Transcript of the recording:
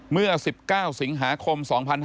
เมื่อ๑๙สิงหาคม๒๕๕๙